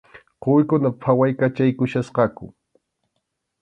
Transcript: Quwikuna phawaykachaykuchkasqaku.